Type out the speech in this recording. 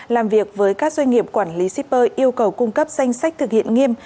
làm việc với các doanh nghiệp quản lý shipper yêu cầu cung cấp danh sách thực hiện nghiêm